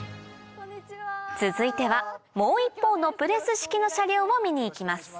続いてはもう一方のプレス式の車両を見に行きます